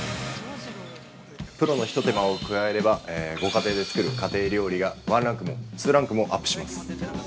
◆プロの一手間を加えれば、ご家庭で作る家庭料理がワンランクもツーランクもアップします。